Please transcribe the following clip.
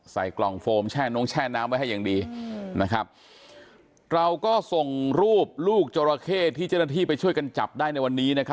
ใส่กล่องโฟมแช่น้องแช่น้ำไว้ให้อย่างดีนะครับเราก็ส่งรูปลูกจราเข้ที่เจ้าหน้าที่ไปช่วยกันจับได้ในวันนี้นะครับ